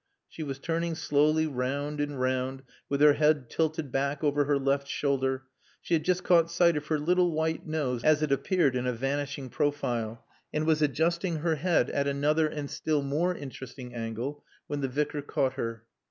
She was turning slowly round and round, with her head tilted back over her left shoulder; she had just caught sight of her little white nose as it appeared in a vanishing profile and was adjusting her head at another and still more interesting angle when the Vicar caught her.